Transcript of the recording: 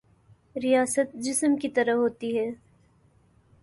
ریاست جسم کی طرح ہوتی ہے۔